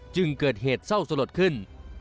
จึงเกิดเหตุเศร้าสลดขึ้น